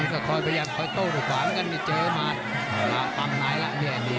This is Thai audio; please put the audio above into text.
นัดข่อยพยายามต้มต้องตกขวามันกันแจบพร้อมผ่านมาตามไม้แล้ว